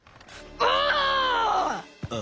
ああ。